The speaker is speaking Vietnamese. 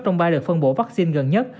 trong ba đợt phân bổ vaccine gần nhất